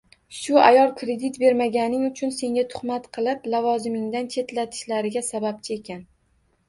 Shu ayol kredit bermaganing uchun senga tuhmat qilib, lavozimingdan chetlatishlariga sababchi ekan